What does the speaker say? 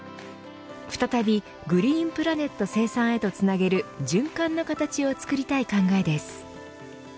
再びグリーンプラネット生産へとつなげる循環の形を作りたい考えです。